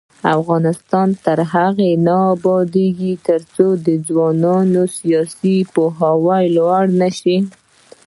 افغانستان تر هغو نه ابادیږي، ترڅو د ځوانانو سیاسي پوهاوی لوړ نشي.